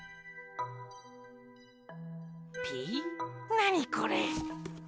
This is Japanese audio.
なにこれ？